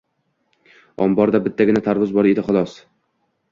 Omborda bittagina tarvuz bor edi, xolos